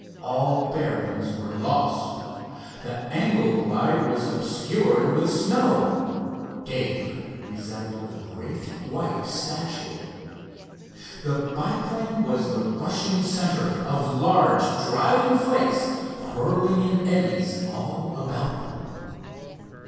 All bearings were lost. The angle glide was obscured with snow; Dave resembled a great white statue. The biplane was the rushing center of large driving flakes whirling in eddies all about them.